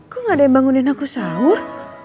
kok gaada yang bangunin aku sahur